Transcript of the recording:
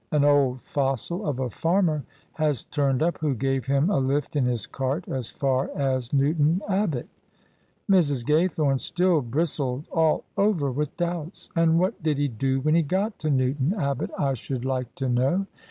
An old fossil of a farmer has turned up who gave him a lift in his cart as far as Newton Abbot." Mrs. Gaythome still bristled all over with doubts. " And what did he do when he got to Newton Abbot, I shoiild like to know?"